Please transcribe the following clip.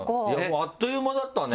あっという間だったね！